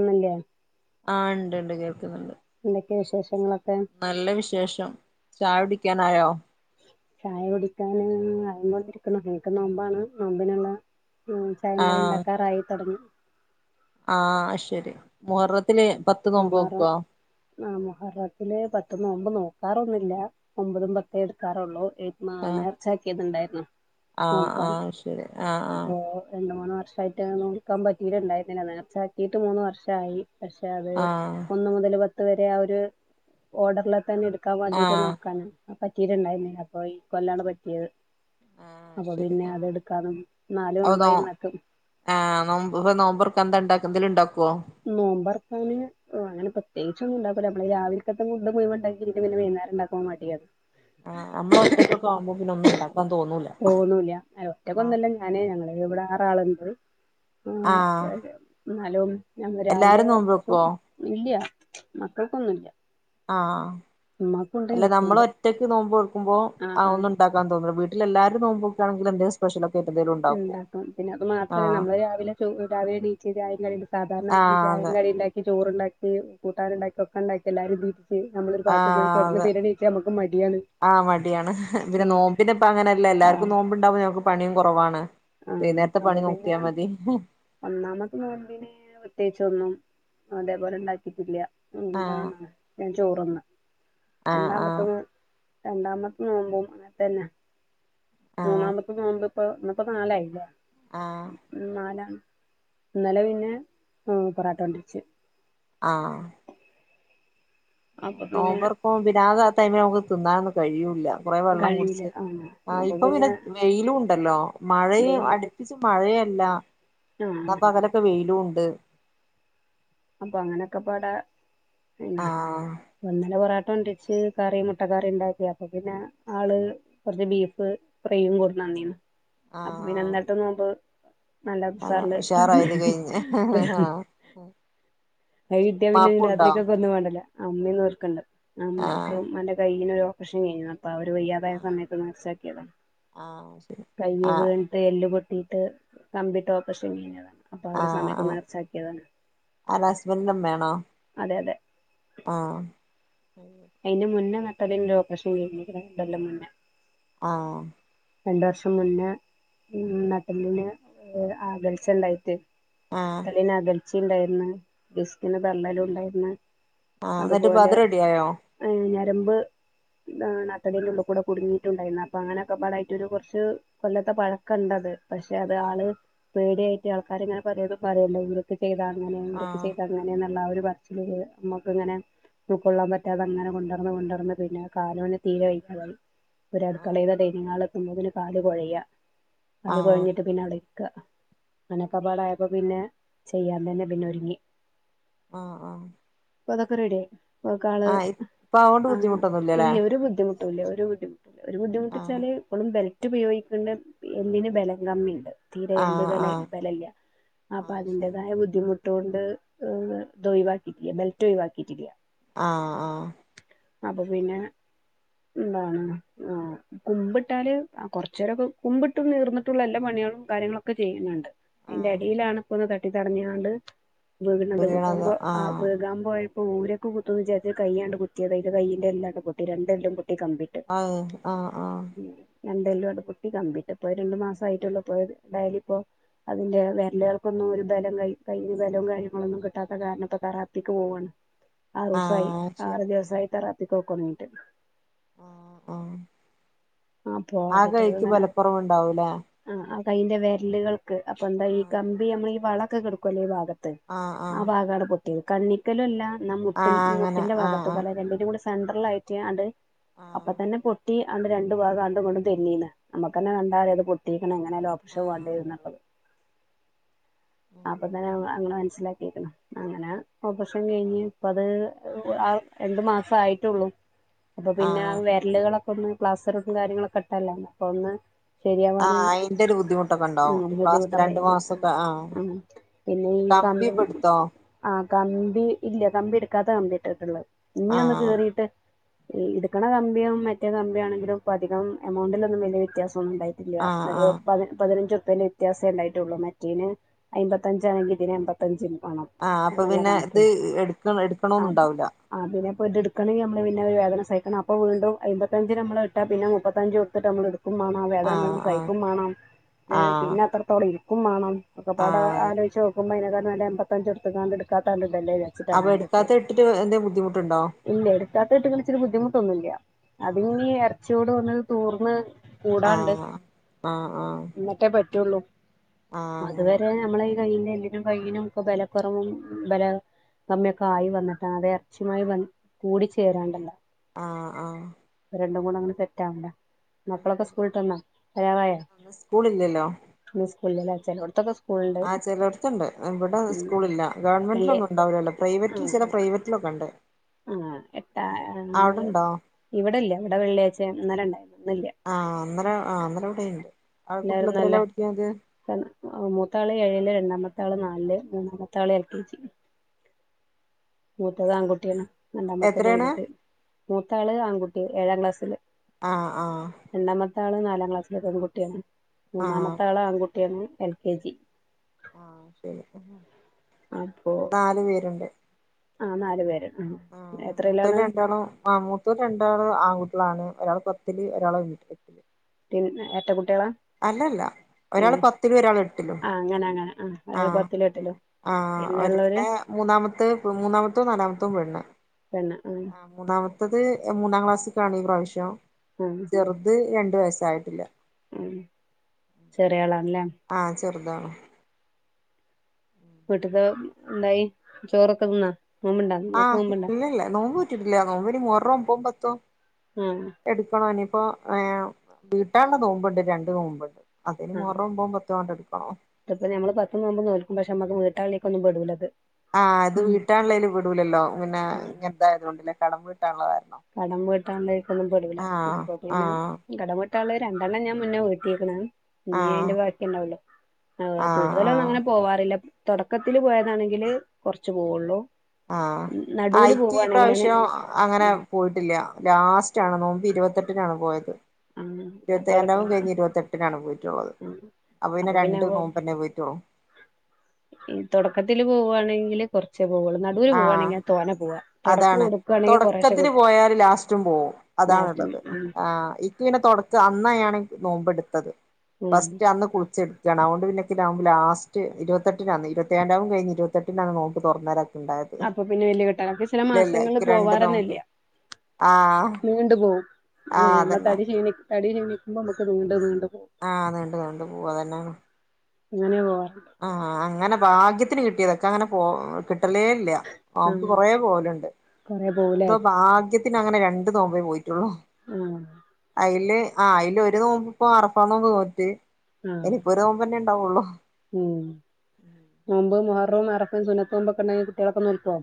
ഇന്ന്ല്ലേ ആഹ് ണ്ട് ണ്ട് കേൾക്കുന്നുണ്ട് എന്തൊക്കെ വിശേഷങ്ങളൊക്കെ നല്ല വിശേഷം ചായ കുടിക്കാനായോ ചായ കുടിക്കാന് [unintelligible] ഇന്ക് നോമ്പാണ് നോമ്പിനുള്ള. ഉം ചായിം കടിം ആഹ് ണ്ടാക്കാറായി തൊടങ്ങി. ആഹ് ശരി മുഹറത്തില് പത്ത് നോമ്പ് മുഹറ നോക്കോ ആഹ് മുഹറംത്തിലെ പത്ത് നോമ്പ് നോക്കാറൊന്നുല്ല ഒമ്പതും പത്തേ എടുക്കാറുള്ളൂ എ മ്മാ ആഹ് നേർച്ചാക്കിയത്ണ്ടായിരുന്നു ആഹ് നോൽക്കാന് ആഹ് ശരി ആഹ് ആഹ് അപ്പൊ രണ്ട് മൂന്ന് വർഷയി ട്ടേ നോക്കാൻ പറ്റീട്ടുണ്ടായിരുന്നില്ല നേർച്ചാക്കിയിട്ട് മൂന്ന് വർഷായി പക്ഷെ അത് ആഹ് ഒന്നു മുതൽ പ പത്ത് വരെ ആഹ് ഒരു ഓഡർല് തന്നെ ഇടുക്കാൻ വാണ്ടിട്ട് ആഹ് നോക്കാന് പറ്റിയിട്ടുണ്ടായിരുന്നില്ല അപ്പൊ ഈ കൊല്ലാണ് പറ്റിയത് ആഹ് അപ്പൊ ശരി പിന്നെ ആഹ് അത് ഇടുക്കാനും നിന്നു നാല് അപ്പൊ നോ നോമ്പായി ഇന്നക്കക്ക് ആഹ് നോമ്പ് നോമ്പേർക്കന്താണ്ടാക്കാ എന്തേലും ഒണ്ടാക്കോ നോമ്പർക്കാന് ഓ അങ്ങനെ പ്രത്തേകിച്ചൊന്നും ണ്ടാക്കൂല മ്മള് രാവില്ക്കത്തെ ഫുഡ്‌ മുഴുവണ്ടെങ്കില് പിന്നേ പിന്നെ വൈന്നാരം ണ്ടാകാൻ മടിയാണ് ആഹ് നമ്മള് ഒറ്റക്കക്കാവുമ്പോ പിന്ന ഒന്നും ഉണ്ടാക്കാൻ തോന്നൂല ആഹ് ഞാൻ ഞങ്ങള് ഇവിടെ ആറാള്ണ്ട് ആഹ് ഇന്നാലും ഞന്ന് രാവിലെ എല്ലാരും നോമ്പ് നോക്കോ ഇല്ല്യ മക്കൾക്കൊന്നുംല്യാ ആഹ് അല്ല നമ്മൾ എനിക്കുണ്ട് ഒറ്റക്ക് നോമ്പ് നോല്ക്കുമ്പോ ആഹ് ഒന്ന് ണ്ടാക്ക വാ തോന്നൂല വീട്ടിൽ എല്ലാരും നോമ്പ് നോൽക്കാണങ്കി എന്തേലും സ്പ [unintelligible] ഉണ്ടാക്കും പിന്നെ അത് മാത്രല്ല നമ്മള് രാവിലെ രാവിലെ എണിച്ച് ചായ കടിണ്ട് സാധാരണ ആഹ് ചായിം അതെ കടിയും ണ്ടാക്കി ചോറുണ്ടാക്കി കൂട്ടാനുണ്ടാക്കി ഒക്കെ ഉണ്ടാക്കി എല്ലാരും വീ ഷ് നമ്മളൊ ഒരു പാത്ത് പോയി ആഹ് കിടന്ന് അതെ പിന്നെ നീക്കാ നമക്ക് മടിയാണ് ആഹ് മടിയാണ് പിന്നെ ഉം നോമ്പിന് ഇപ്പ അങ്ങനെല്ല എല്ലാർക്കും ആഹ് നോമ്പ്ണ്ടാവോ ഞമക്ക് പണിയും കൊറവാണ് ആഹ് വൈന്നേരത്തെ അപ്പൊ പണി പിന്നെ നോക്കിയാ മതി ഒന്നാമത്തെ നോമ്പിന് പ്രത്യേകിച്ചോന്നും അതേപോലെ ഇണ്ടാക്കിയിട്ടില്ല ആഹ് എന്താണ് ഞാൻ ചോറ്ന്ന് ആഹ് ആഹ് രണ്ടാമത്തത് രണ്ടാമത്തെ നോമ്പും അങ്ങനത്തന്നെ ആഹ് മൂന്നാമത്തെ നോമ്പ് ഇപ്പം ഇന്ന്പ്പം നാലായില്ലെ ആഹ് ഉം നാലാണ് ഇന്നല പിന്നെ ഉം പൊറാട്ട കൊണ്ടിരിച്ച് ആഹ് അപ്പൊ പിന്നെ നോമ്പർക്കുംമ്പോ പിന്നെ ആഹ് ആഹ് ടൈമില് നമുക്ക് തിന്നാനൊന്നും കഴിയൂല്ല കൊറെ വെള്ളം കുടിച്ച് ആഹ് ഇപ്പൊ പിന്നെ വെയിലും ഉണ്ടല്ലോ മഴയും എന്തേലും അടുപ്പിച്ച് മഴയല്ല എന്നാ ആഹ് പകല ഇപ്പം മെയിലുംണ്ട് അപ്പൊ അങ്ങനെയൊക്കെ പാടെ പിന്നെ ആഹ് ഇന്നലെ ബൊറോട്ട കൊണ്ട്രി ച്ച് കറി മുട്ടക്കറി ഇണ്ടാക്കി അപ്പൊപിന്നെ ആള് കൊറച്ച് ബീഫ് ഫ്രയും കൊടുന്നന്നീന്ന് അപ്പൊ പിന്നെ ആഹ് ഇന്നലെത്തെ നോമ്പ്. നല്ല അങ്ങനെ ഉസാറില് പെറന്ന്. ഓ അയ്കിട്ടിയാ പിന്നെ രാത്രിക്കൊക്കെയൊന്നും വേണ്ടല്ലോ ആ ഉമ്മീന്നോർക്കണ്ട് ആ ഉമ്മാക്ക് ആഹ് ഇമ്മാൻ്റെ കയ്യിനൊരു ഓ പ്പറേഷൻ കഴിഞ്ഞതാ അപ്പ അവര് വയ്യാതായ ആഹ് സമയത്ത് നേർച്ചയാക്കിയതാ ആഹ് ശരി കൈയ്യ് ആഹ് വീണി ട്ട് എല്ലുപൊട്ടീട്ട് കമ്പിയിട്ട് ഓപ്പറേഷൻ കഴിഞ്ഞതാണ്. അപ്പൊ ആ ഒരു സമയത്ത് ഹാ നേർച്ചാക്കിയതാണ് അത് ഹസ്ബൻ്റിന്റെ ഉമ്മയാണോ. അതെ അതെ ആഹ് അയിനുമുന്നേ നട്ടെല്ലിൻ്റെ ഓപ്പറേഷൻ കഴിഞ്ഞിക്കണ് രണ്ടൊല്ലാം മുന്നേ ആഹ് രണ്ടുവർഷം മുന്നെ ഉം നട്ടെല്ലിന് ആകൽച്ചയൊണ്ടായിട്ട് ആഹ് എല്ലിന് അകൽച്ചേം ഒണ്ടായീന്ന് ഡിസ്ക്കിന് തള്ളലും ഒണ്ടായിന്ന്. ആഹ് എന്നിട്ട് അതുപോലെ [unintelligible] ഉം ഞരമ്പ് നട്ടെല്ലിൻ്റെ ഉള്ളിക്കുടെ കുടുങ്ങിയിട്ടുണ്ടായിരുന്നു അപ്പൊ അങ്ങനെയൊക്കെ പാടായിട്ട് ഒരു കൊറച്ച് കൊല്ലത്തെ പഴക്കൊണ്ടത്. പക്ഷെ അത് ആഹ് ആള് പേടിയായിട്ട് ആൾക്കാരിങ്ങനെ പലതും പറയല്ലോ ഇവരൊക്കെ ചെയ്താ അങ്ങനെ ഇവരൊക്കെ ആഹ് ചെയ്താ ഇങ്ങനെയെന്നൊള്ള ആ ഒരു പറച്ചിലില് നമ്മക്കിങ്ങനെ ഉൾക്കൊള്ളാൻ പറ്റ റ്റാതങ്ങനെ കൊണ്ടടന്ന് കൊണ്ടടന്ന് പിന്നെ കാലൊണ്ട് തീരെ വയ്യാതായി ഓര് ആഹ് അടുക്കളേല് ഡൈ നിങ്ങ് ഹാളെത്തുമ്പോത്തിനു കാല് കൊഴയുവാ കാല് ആഹ് കൊഴഞ്ഞിട്ട് പിന്നെ അവിടേ ക്ക് അങ്ങനെക്കെപാടെ ആയപ്പോപിന്നെ ചെയ്യാൻ തന്നെ പിന്നെയൊരുങ്ങി. ആ ആഹ് ഇപ്പൊ അതൊക്കെ റെഡിയായി ഇപ്പൊക്കെ ആള്. ആഹ് ഇപ്പൊ അതുകൊണ്ട് ആഹ് ബുദ്ധിമുട്ടൊന്നുല്ലല്ലേ ഇല്ല ഒരു ബുദ്ധിമുട്ടൂവില്ല ഒരു ബുദ്ധിമുട്ടുവില്ല ഓര് ആഹ് ബുദ്ധിമുട്ടിച്ചാല് ഇപ്പളും ബെൽറ്റ് ഉപയോഗികണ്ട് എല്ലിന് ബലം കമ്മിണ്ട്. തീരെ ആഹ് എല്ലുബെലം ആഹ് ബെലല്ല്യ അപ്പൊ ആഹ് ശരി അതിന്റേതായ ബുദ്ധിമു ട്ടൊണ്ട് ഇത് ഒഴിവാക്കിയിട്ടില്ല ബെൽറ്റ് ഒഴിവാക്കിയിട്ടില്ല. ആ ആ അപ്പൊപ്പിന്നെ എന്താണ് ആ കുമ്പിട്ടാല് കൊറച്ചേരൊക്കെ കുമ്പിട്ടും നീർന്നിട്ടൊള്ള എല്ലാ പണികളും കാര്യങ്ങളൊക്കെ ചെയ്യുന്നൊണ്ട്. അയിന്റെ ആഹ് എടയിലാണിപ്പൊന്ന് തട്ടി തടഞ്ഞിങ്ങാണ്ട് വീണത് വീണതോ വീഴുമ്പോ ആ ആഹ് വിഴാൻ പോയ പ്പോ ഊരൊക്കെ കുത്തൂന്നുവിചാരിച്ച് കയ്യാണ്ട് കുത്തിയത് അയ്ന്റെ കയ്യിന്റെ എല്ലൊക്കെപൊട്ടി രണ്ടെല്ലുംപൊട്ടി കമ്പിയിട്ട്. ആഹ് ആ ആ രണ്ടെല്ലും അങ്ങട് പൊട്ടി കമ്പിയിട്ട് ഇപ്പോ രണ്ടുമാസായിട്ടൊള്ളൂ ഇപ്പൊത് ഡയ്ലിപ്പോ അതിന്റെ വെരലുകൾക്കൊന്നും ഒരു ബലം കൈ കൈ ബലവും കാര്യങ്ങളൊന്നും കിട്ടാത്ത കാരണം ഇപ്പോ തറാപ്പിക്ക് പോവാണ്. ഉം ആറൂസായി ആറ് ദിവസായി തെറാപ്പിക്കു പോക്കൊടങ്ങീട്ട്. ആഹ് ആഹ് ആ പോ കൈക്ക് അതായിട്ടങ്ങനെ ബലക്കുറവുണ്ടാവൂലേ ആഹ് ആ കൈയ്യിന്റെ വെരലുകൾക്ക് അപ്പൊ എന്താ ഈ ആഹ് കമ്പിയമ്മളീ വളൊക്കെ കെടക്കുവല്ലോ ഈ ഭാഗ ത്ത് ആഹ് ആ ആഹ് ഭാഗാണ് പൊട്ടിയത് കണ്ണിക്കലല്ലാ ന്നാ മുട്ട് ആഹ് അങ്ങനെ മുട്ടിന്റെ ആഹ് ആഹ് ഭാഗത്തുക്കല്ല രണ്ടിന്റെ കൂടെ സെട്രലായിട്ട് ആണ്ട് ആഹ് അപ്പത്തന്നെ പൊട്ടി ആണ്ട് രണ്ട് രണ്ട് ഭാഗം ആങ്ങോട്ടും, ഇങ്ങോട്ടും തെന്നി ക്ക്ണ്. നമ്മുക്കെന്നെ കണ്ടാ അറിയാ അത് പൊട്ടിക്ക്ണ്. എങ്ങനെ ആയലും ഓപറേഷൻ ആഹ് വേണ്ടിവരും എന്നുള്ളത്. അപ്പൊ ത്തന്നെ അങ്ങനെ ഞങ്ങള്, ഞങ്ങൾ മനസ്സിലാക്കി. ക്കണ്, അങ്ങനെ ഓപ്പറേഷൻ കഴിഞ്ഞ്, ഇപ്പത് ആഹ്, രണ്ട് മാസം ആയിട്ടുള്ളൂ. [inaudible] അപ്പൊ, പിന്നെ വെരലുക ളൊക്കൊന്ന് പ്ലാസ്റ്ററും കാര്യങ്ങളൊക്കെ ഇട്ടത ല്ലെ അപ്പൊ ഒന്ന് ആഹ് ശരിയാവാന്, അയിന്റെ ഒരു ബുദ്ധിമുട്ടൊക്കെ ഉണ്ടാവും ഉം, ഈ ഫാസ്റ്റ് ബുദ്ധിമുട്ടപ്പ. രണ്ടു ആഹ്, മാസൊക്കെ ആഹ് പിന്നെ, ഈ കം കമ്പി പിടുത്തോ ആഹ്, കമ്പി ഇല്ല. കമ്പി എടുക്കാത്ത കമ്പിയാ ഇട്ടിട്ടു ള്ളെ ഇനി ഒന്ന് ആഹ് കീറിട്ട് ഈ, ഇട്ക്കണ കമ്പിയും മറ്റേ കമ്പിയോ ആണെങ്കിലും, ഇപ്പ അധികം എമൗണ്ടിലൊന്നും വലിയ വ്യത്യാസൊന്നും ഉണ്ടായില്ല. ആഹ് ല്ല, ഒരു ആഹ് പതി പതിനഞ്ച് രൂപ വ്യത്യാസം ഉണ്ടായിട്ടുള്ളൂ. മറ്റേതിന് അമ്പത്തഞ്ചാ ണെങ്കിൽ ഇതിന് എമ്പത്തഞ്ചും വേണം. ആഹ്, അപ്പൊ എന്നുള്ള പിന്നെ ഇത് കണക്കാണ് എടുക്ക, എടുക്കണൊന്നും ആഹ് ഉണ്ടാവൂല്ല. ആഹ്, പിന്നെ പ്പോ ഇത് എടുക്കണെങ്കിൽ, നമ്മള് പിന്നെ ഒരു വേദന സഹിക്കണം. അപ്പോ വീണ്ടും, അമ്പത്തഞ്ചിന് നമ്മള് ട്ട പിന്നെ, മുപ്പത്തഞ്ച് കൊടുത്തിട്ട് നമ്മൾ എടുക്കും വേണം, ആഹ്, വേദന സഹിക്കും വേണം, ഏ ആഹ് പിന്നെ, അത്രത്തോളം ഇരി ക്കും വേണം. ഒക്കെ പാടെ ആഹ് ആലോചിച്ച് നോക്കുമ്പോ, അയിനെക്കാളും നല്ലത് എമ്പത്തഞ്ച് കൊടുത്ത് കൊണ്ട് ക്കാത്തണ്ട് അല്ലെ അപ്പൊ അങ്ങന ങ്ങട്ട് ഇട്ടെ. എടുക്കാത്ത ഇട്ടിട്ട് എന്തേലും ബുദ്ധിമുട്ടുണ്ടോ ഇല്ല, എടുക്കാത്തെ ഇട്ട്ക്ക്ണ് ച്ചിട്ട് ബുദ്ധിമുട്ടൊന്നുല്ല. അതിനി ആഹ് ഇറച്ചി യോട് വന്ന് തൂർന്ന് കൂടാണ്ട് ആഹ് ആഹ് ആഹ് എന്നിട്ടേ പറ്റുള്ളൂ. ആഹ് അതു അങ്ങനെ വരെ നമ്മളെ, ഈ കയ്യിന്റെ എല്ലിനും കയ്യിനും ഒക്കെ, ബലക്കൊറവും ബല സമയൊക്കെ ആയി വന്നിട് വേണം. അതെ ഇറച്ചിയു മായി വന്ന് കൂടി ചേരാണ്ടല്ലോ? ആഹ്, ആഹ് രണ്ട് കൂടെ അങ്ങനെ സെറ്റാ വണ്ടെ? മക്കളൊ ക്കെ സ്കൂള് വിട്ട് വന്നോ? വരാറായോ? ഇന്ന് സ്കൂളില്ലല്ലോ ഇന്ന് സ്കൂളില്ല ലെ ചെലോടത്തെക്കേ ആഹ്, ചെലോട്ത്തുണ്ട്. ഇവിടെ സ്കൂളില്ല. വെള്ളി ഗവൺമെന്റിലൊന്നും ഉണ്ടാവില്ല ല്ലോ? പ്രൈവറ്റിൽ, ചെല പ്രൈവറ്റിലൊക്കെ ഉണ്ട്. ആ ആഹ്, എട്ടാ ഇവിടെ ല്ല, ഇവിടെ വെള്ളിയാഴ്ച ഇന്നലെ ഉണ്ടായിരുന്നു. ഇന്നില്ല. ആഹ്, ഇന്നലെ ആഹ്, ഇന്നലെ ഇവിടെ ണ്ട്. എല്ലാവരും നല്ലെ ആഹ്, മൂത്താള് ഏഴില്, രണ്ടാമത്തെ ആള് നാലില്, മൂന്നാമത്തെ ആള് എൽ കെ ജി. മൂത്തത് ആൺ കുട്ട്യാണ്. രണ്ടാമത്തെ എത്രയാണ് പെൺകുട്ടി, മൂത്താള് ആൺകുട്ടി ഏഴാം ക്ലാസ്സില്. ആഹ്, ആഹ് രണ്ടാമത്തെ ആള് നാലാം ക്ലാസില പെൺ കുട്ട്യാണ്. ആഹ് മൂന്നാമത്തെ ആള് ആൺ കുട്ട്യാണ് എൽ കെ ജി. ആഹ്, ശരി അപ്പൊ നാല് പേരുണ്ട്. ആഹ്, നാല് പേര്. ആഹ്, മൂത്തോല് എത്രയിലാണ് രണ്ടാളും ആഹ്, മൂ മൂത്തോര് രണ്ടാളും, ആൺ കുട്ട്യാളാണ്. ഒരാള് പത്തിൽ. ഒരാള് ഒന്നി ലേക്കാണ്. ത്തിൽ എരട്ട കുട്ടികളാ. അല്ല ല്ല. ഉം ഒരാള് പത്തിലും, ഒരാൾ എട്ടിലും, ആഹ് അങ്ങനെ അങ്ങനെ ഒരാള് ആഹ് പത്തിലും എട്ടിലും ആഹ്, പിന്നെ ഒരു ഉള്ളോര് ന്നിനെ മൂന്നാമത്തെ, മൂന്നാമത്തെതും നാലാമത്തെതും പെണ്ണ്. പെണ്ണ്, ഉം മൂന്നാ മത്തത്, മൂന്നാം ക്ലാസ്സിലേ ക്കാണ്, ഈ പ്രാവശ്യം. ഉം ചെറുത് രണ്ടു വയസായിട്ടില്ല. ഉം ചെറിയ ആളാണ്ല്ലേ ആഹ് ചെറ്താണ് വീട്ട്ത്തെ എന്തായി ചോറൊക്കെ തിന്നോ ആഹ് ഇല്ലില്ല നോമ്പ് നോറ്റിട്ടില്ല നോമ്പിനി മുഹറം ഒൻമ്പതും പത്തും ഉം എടുക്കണം ഇനിയിപ്പോ ഏഹ് വീട്ടാള്ള നോമ്പ്ണ്ട് രണ്ട് നോമ്പ് അപ്പം ഇനി മുഹറം ഒമ്പതും പത്തും അട്ടെടുക്കണം ഇപ്പം നമ്മൾ പത്ത് നോമ്പും നോൽക്കും പക്ഷെ നമക്ക് വീട്ടാള്ളതിലേക്ക് ഒന്നും പെടൂല്ലത് ആഹ് അത് വീട്ടാള്ളതേൽ പെടൂല്ലല്ലോ പിന്നെ ആഹ് ഇങ്ങനത്തെ കാരണം പിന്നെ കടം വീട്ടാള്ള കാരണം കടം വീട്ടാള്ളതേക്കൊന്നും പെടില്ല ആഹ് അപ്പൊ പിന്നെ ആഹ് കടം വീട്ടാനുള്ള രണ്ടെണ്ണം ഞാൻ മുന്നെ വീട്ടിക്ക്ണ് ഇനി ആഹ് അയിന്റെ ബാക്കി ഇണ്ടാവല്ലൊ ആഹ് കൂടുതലൊന്നും അങ്ങനെ പോവാറില്ല തൊടക്കത്തില് പോയതാണെങ്കില് കുറച്ചു പോവുള്ളു ആഹ് എനിക്കി ഈ പ്രാവശ്യം അങ്ങനെ പോയി ട്ടില്ല ലാസ്റ്റാണ് നോമ്പ് ഇരുപത്തെട്ടിനാണ് പോയത് ഉം ആഹ് ഇരുപത്തി ഏഴാം തൊടക്ക രാവും കഴിഞ്ഞ് ഇരുപത്തെട്ട് ട്ടിനാണ് പോയിട്ടൊള്ളത് അപ്പൊ പിന്നെ രണ്ട് നോമ്പന്നെ പോയിട്ടൊള് ഈ തൊടക്കത്തില് പോവാണെങ്കില് കൊറച്ചെ പോവുള്ളൂ നടൂല് ആഹ് പോവാണെങ്കിലെ തോനെ പോവാ തൊടക്ക് അതാണ് കൊടുക്കാണെങ്കി കൊറേശെ തൊടക്കത്തില് കൊടു പോയാല് ലാസ്റ്റും പോവും ലാസ്റ്റ് ഉം അതാണുള്ളത് ആഹ് എനിക്കിങ്ങനെ തൊടക്ക അന്നാ ഞാന് നോമ്പെടുത്തത് ഉം ഫസ്റ്റ് അന്ന് കുളിച്ചെട അതുകൊണ്ട് പിന്നെ ഇൻക്ക് നോമ്പ് ലാസ്റ്റ് ഇരുപത്തെട്ടിനാണ് ഇരുത്തി എഴാ രാവും കഴിഞ്ഞ് ഇരുത്തെട്ടിനാണ് നോമ്പ് തൊറന്നരാ ഇണ്ടായത് അപ്പൊ പിന്നെ വല്യ കിട്ടലാണ് ഇൻക്ക് ചില മാസങ്ങളിൽ നോമ്പ് പോവാറന്നെയില്ല ആഹ് നീണ്ട് പോവും അങ്ങനെ ആഹ് നമ്മൾ അതന്നെ തടി ക്ഷീണി തടി ക്ഷീണിക്കുമ്പോ നമക്ക്നീണ്ട് നീണ്ട് പോവും ആഹ് നീണ്ട് നീണ്ട് പോവും അതന്നെണ് അങ്ങനയാ പോവാറ് ആഹ് അങ്ങനെ ഭാഗ്യത്തിന് കിട്ടിയതാ എനിക്കങ്ങനെ പോ കിട്ടലേ ഇല്ല ആഹ് കൊറേ പോവലിണ്ട് കൊറേ പോവുലേ ഇപ്പം ഭാഗ്യത്തിന് അങ്ങനെ രണ്ട് നോമ്പെ പോയിട്ടുള്ളു ഉം അയ്ല് ആഹ് അയ്ല് ഒരു നോമ്പിപ്പൊ അറഫാ നോമ്പ് നോറ്റ് ആഹ് ഇനിപ്പൊരു നോമ്പന്നെ ഇണ്ടാവൂള്ളു ഉം നോമ്പ് മുഹറോം, അറഫയും സുനത്തു നോമ്പൊക്കെ ഉണ്ടെങ്കി കുട്ടികളൊക്കെ നോൽക്കൊ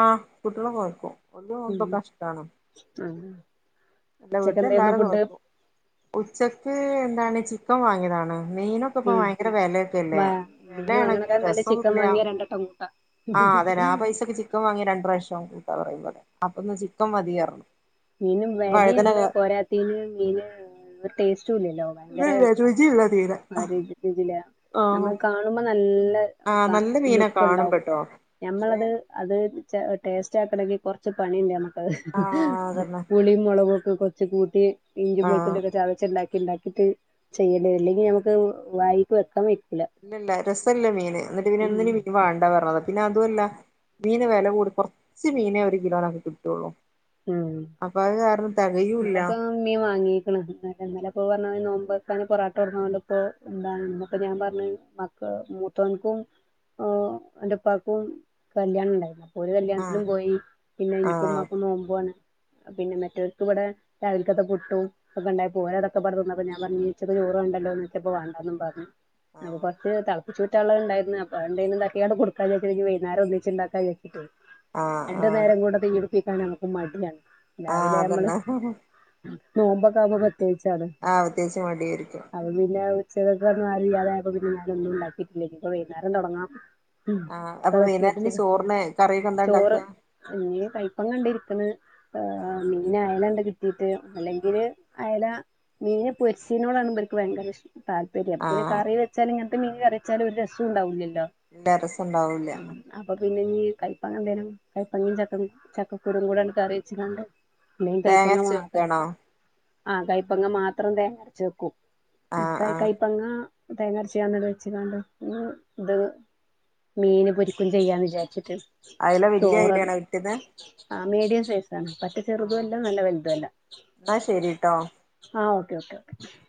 ആഹ് കുട്ടികള് നോൽകും ഓൽക്ക് നോമ്പ് നോൽക്കാൻ ഇഷ്ടമാണ് ഉം ഇല്ല ഉച്ചക്ക് ഇവിടത്തെ എന്തായിരുന്നു എല്ലാരും ഫുഡ് നോൽക്കും ഉച്ചക്ക് എന്താണ് ചിക്കൻ വാങ്ങിയതാണ് മീനൊ ക്കൊക്കെ ഇപ്പ ഉം ഭയങ്കര വിലയൊക്കെ അല്ലേ വാ മീന് വിലയാണെങ്കിലും വാങ്ങണക്കാളും നല്ലത് രസവും ചിക്കൻ ഇല്ല വാങ്ങിയ രണ്ടെട്ടം കൂട്ടാ ആഹ് അതന്നെ ആ പൈസക്ക് ചിക്കൻ വാങ്ങിയ രണ്ട് പ്രാവശ്യം കൂട്ടാന്ന് പറയും അപ്പെ എന്താ ചിക്കൻ മതിന്ന് പറഞ്ഞു മീന് വഴുതന വിലയാണ് പോരാത്തയ്ന് മീന് ടേസ്റ്റു ഇല്ലല്ലോ ഭയങ്കര ഇല്ലല്ല രുചിയില്ല തീരെ ആ രീതിയില ആഹ് നമ്മള് കാണുമ്പോ നല്ല ആഹ് നല്ല മീനെ ലുക്ക് ഉണ്ടാവും കാണുമ്പട്ടോ പക്ഷെ ഞമ്മളത് അത് ടേസ്റ്റ് ആക്കണങ്കിൽ കുറച്ച് പണിയുണ്ട് നമ്മുക്കത് ആഹ് അതന്നെ പുളിയും, മുളകും ഒക്കെ കുറച്ച് കൂട്ടി ഇഞ്ചിയും, ആഹ് വെളുത്തുള്ളിയും ഒക്കെ ചതച്ച് ഉണ്ടാക്കി ഉണ്ടാക്കിട്ട് ചെയ്യല് അല്ലെങ്കിൽ നമുക്ക് വായിക്ക് വെക്കാൻ പറ്റ ഇല്ല ഇല്ല രസം ഇല്ല മീൻ എന്നിട്ട് പിന്നെ ഉം ഇന്ന് വേണ്ട പറഞ്ഞതാ പിന്നെ അതു അല്ല മീന് വില കൂടിയാ കുറച്ച് മീനെ ഒരു കിലോനൊക്കെ കിട്ടുള്ളൂ ഉം അപ്പൊ അത് കാരണം തികയും ഇല്ല ഇന്ന് മീൻ വാങ്ങീക്ക്ണ് എന്നലെ ഇ പറഞ്ഞ മിതിരി നോമ്പർക്കാൻ പൊറാട്ട കൊടുന്നത് കണ്ടപ്പോ എന്താ അപ്പം ഞാൻ പറഞ്ഞി മക്കള് മൂത്തോൻക്കും എന്റെ ഉപ്പാക്കും കല്യാണം ഉണ്ടായിരുന്നു ഒരു ആഹ് കല്യാണത്തിലും പോയി പിന്നെ എനിക്കും ആഹ് ഉമ്മാക്കും നോമ്പും ആണ് പിന്നെ മെറ്റവർക്ക് ഇവിടെ - രാവിലെക്കത്തെ പുട്ടും- അതൊക്കെ ഉണ്ടായി ഓനതൊക്കെ പറഞ്ഞു നിന്നപ്പോ ഞാൻ പറഞ് ച ഉച്ചക്ക് ചോറു വേണ്ടലൊന്ന് ചോദിച്ചപ്പോ വേണ്ടന്നന്ന് പറഞ്ഞു ആഹ് കൊറച്ച് തെളപ്പിച്ച് ഊ - റ്റാൻ ഉള്ളത് ഉണ്ടായിരുന്നു അപ്പൊ അത് എന്തായാലും [unintelligible] കൊടുക്കന്ന് വിചാരിച്ചു വൈക്കുനേരം ഒന്നിച്ച് ഉണ്ടാക്കാന് വിചാരിച്ചിട്ടേ ആഹ് രണ്ടു ആഹ് നേരം കൂടെ തീ പിടിപ്പിക്കാൻ നമുക്ക് മടിയാണ് ആഹ് രാവിലെ നമ്മള്- അതന്നെ നോമ്പൊക്കെ ആവുമ്പോ പ്രത്യേകിച്ചാണ് ആഹ് പ്രത്യേകിച്ച് മടിയായിരിക്കും അതുകൊണ്ട് പിന്നെ ഒരു - ഉച്ചക്ക്‌ ഒക്കെ ആരും ഇല്ലാതെ ആയപ്പോ പിന്നെ ഞാന് ഒന്നും ഉണ്ടാക്കിട്ടില്ലേ ഇപ്പ വൈകുനേരം തൊടങ്ങാം ഉം ആഹ് അപ്പൊ വൈകുന്നേരം നിസ്കരിച്ച് ഇനി ചോറിന് കറി ഒക്കെ എന്താ ഉണ്ടാക്ക്‌ക ഇന്ന [unintelligible] കയപ്പം ഉണ്ട് മീൻ അയല ഇണ്ട് കിട്ടീട്ട് അല്ലെങ്കില് അയല - മീനെ പൊരിച്ചതിനോടാണ് ഇവർക്ക് ഭയങ്കര ഇഷ്ട്ട താൽപ്പ- പിന്നെ ആഹ് കറി വെച്ചാലും ഇങ്ങനത്തെ മീൻ കറിവെച്ചാലും ഒരു രസം ഉണ്ടാവില്ലല്ലോ ഇല്ല രസം ഉണ്ടാവൂല അപ്പൊ പിന്നെ നീ കൈപ്പങ്ങ എന്തരും കൈപ്പങ്ങയും ചക്ക ചക്കക്കുരുവും കൂടെ കറി വെച്ചങ്ങാണ്ട് അല്ലെങ്കി തേങ്ങ കയ്പ്പങ്ങ അരച്ച് മാത്രം വെക്കാണോ ആഹ് കയ്പ്പങ്ങ മാത്രം തേങ്ങ അരച്ച് വെയ്ക്കും ആഹ് ആഹ് കയപ്പങ്ങ - തേങ്ങ അരച്ച് അങ്ങാണ്ട് വെച്ചിങ്ങാണ്ട് ഇതങ്ങ് - മീന് പൊരിക്കലും ചെയ്യാന്ന് വിചാരിച്ചിട്ട് ആയില വെല്ലിയ അയില ചോറ് ആണോ മീൻ കിട്ടിയത് ആ മീഡിയം സൈസ് ആണ് പറ്റ് ചെറുതും ആഹ് അല്ല നല്ല വലുതും അല്ല എന്നാ ശരിട്ടോ ആഹ് ഓക്കേ ഓക്കേ ഓക്കേ